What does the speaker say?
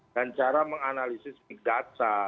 dan cara menganalisis big data